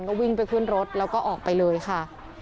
ก็วิ่งไปขึ้นรถแล้วก็ออกไปเลยค่ะ